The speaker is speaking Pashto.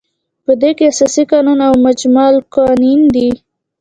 په دې کې اساسي قانون او مجمع القوانین دي.